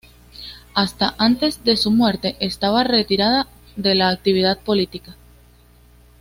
Hasta antes de su muerte estaba retirada de la actividad política.